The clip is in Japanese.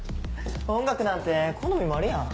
音楽なんて好みもあるやん？